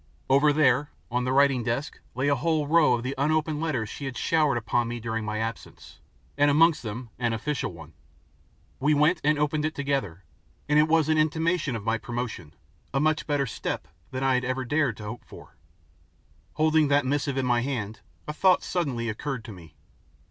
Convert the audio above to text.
Over there on the writing desk lay a whole row of the unopened letters she had showered upon me during my absence, and amongst them an official one. We went and opened it together, and it was an intimation of my promotion, a much better "step" than I had ever dared to hope for. Holding that missive in my hand a thought suddenly occurred to me.